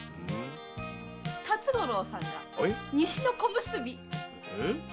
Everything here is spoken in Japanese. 辰五郎さんは西の小結！